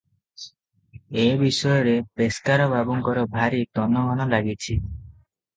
ଏ ବିଷୟରେ ପେସ୍କାର ବାବୁଙ୍କର ଭାରି ତନଘନ ଲାଗିଛି ।